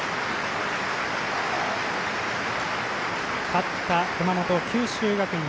勝った熊本、九州学院。